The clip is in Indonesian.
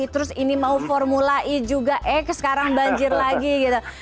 terus ini mau formula e juga eh sekarang banjir lagi gitu